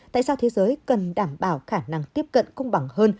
tại sao thế giới cần đảm bảo khả năng tiếp cận công bằng hơn